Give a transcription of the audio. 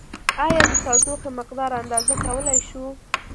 ایا د تودوخې مقدار اندازه کولای شو؟